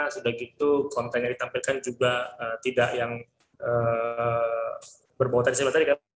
sudah gitu kontainer ditampilkan juga tidak yang berpotensi baterai kan